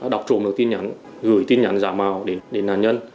đọc trộm được tin nhắn gửi tin nhắn giả màu đến nạn nhân